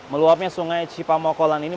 meluapnya sungai cipamokolan ini